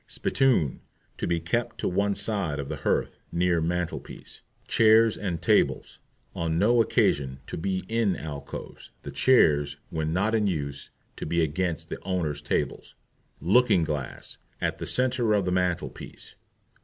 SPITTOON To be kept on one side of the hearth near mantel piece. CHAIRS and TABLES On no occasion to be in alcoves, the chairs, when not in use, to be against the owners' tables. LOOKING GLASS At the centre of the mantel piece.